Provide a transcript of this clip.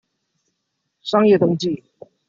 商業登記